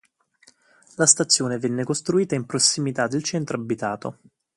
La stazione venne costruita in prossimità del centro abitato.